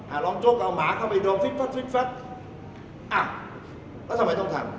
อ่ะร้องจุกเอาหมาเข้าไปรอฟริ๊บฟัดฟริ๊บฟัดอ่ะแล้วทำไมต้องถาม